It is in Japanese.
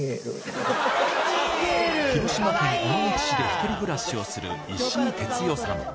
広島県尾道市で１人暮らしをする石井哲代さん。